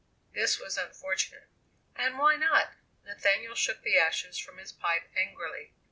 This was unfortunate. "And why not?" Nathaniel shook the ashes from his pipe angrily.